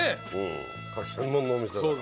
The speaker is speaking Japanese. かき専門のお店だから。